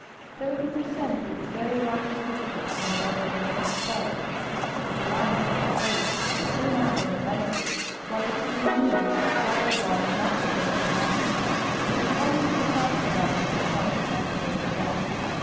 Thirty per cent. was the very largest dividend she had ever intended to pay. But the plan which I proposed was so much for her benefit, while it suited me, who otherwise must have lost the money, that it almost recovered her from the shock of having paid a debt.